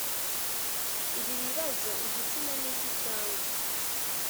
ibi bibazo igitsina ni iki cyangwa